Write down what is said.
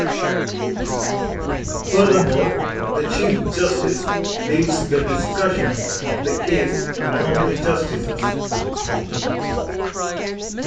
Furthermore, the Chief Justice leads the discussion of the case among the justices.